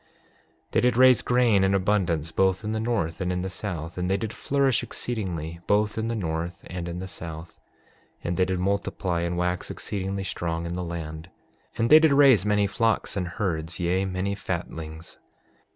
6:12 They did raise grain in abundance, both in the north and in the south; and they did flourish exceedingly, both in the north and in the south. And they did multiply and wax exceedingly strong in the land. And they did raise many flocks and herds, yea, many fatlings.